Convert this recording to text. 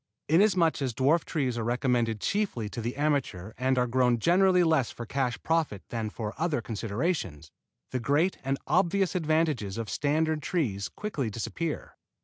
Inasmuch as dwarf trees are recommended chiefly to the amateur and are grown generally less for cash profit than for other considerations, the great and obvious advantages of standard trees quickly disappear.